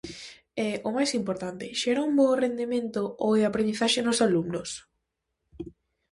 E, o máis importante, xera un bo rendemento oe aprendizaxe nos alumnos?